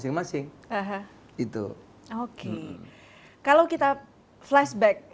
apa yang terjadi kalau kita flashback